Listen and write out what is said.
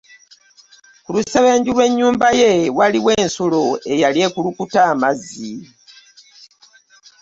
Ku lusebenju lw'ennyumba ye waaliwo ensulo eyali ekulukuta amazzi.